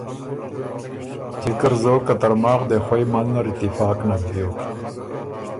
جِکه ر زوک که ترماخ دې خوئ منځ نر اتفاق نک بیوک۔